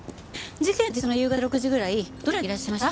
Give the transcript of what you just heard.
事件当日の夕方６時ぐらいどちらにいらっしゃいました？